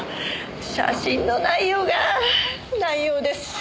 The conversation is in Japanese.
写真の内容が内容ですし。